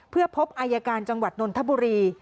เพื่อพบอายการจังหวัดนนทบุรี